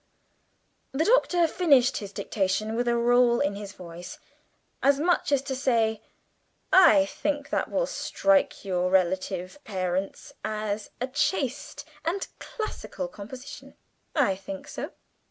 The Doctor finished his dictation with a roll in his voice, as much as to say, "I think that will strike your respective parents as a chaste and classical composition; I think so!"